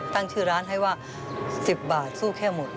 ตั้งชื่อร้านให้ว่า๑๐บาทสู้แค่หมด